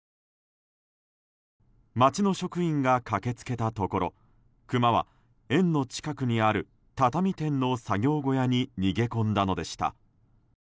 町の職員が駆け付けたところクマは園の近くにある畳店の作業小屋に逃げ込んだのでした。